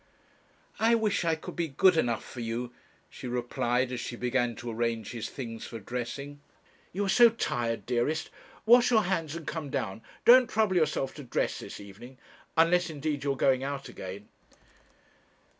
'I wish I could be good enough for you,' she replied, as she began to arrange his things for dressing. 'You are so tired, dearest; wash your hands and come down don't trouble yourself to dress this evening; unless, indeed, you are going out again.'